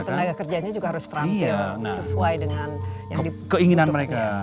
tenaga kerjanya juga harus terang terang sesuai dengan keinginan mereka